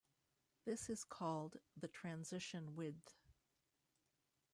This is called the transition width.